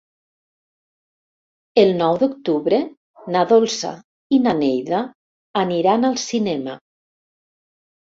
El nou d'octubre na Dolça i na Neida aniran al cinema.